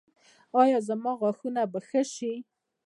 ایا زما غاښونه به ښه شي؟